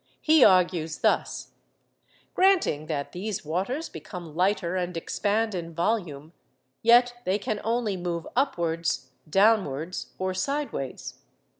He argues thus: Granting that these waters become lighter and expand in volume, yet they can only move upwards, downwards, or sideways.